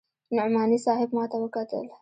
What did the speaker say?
نعماني صاحب ما ته وکتل.